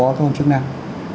cơ quan chức năng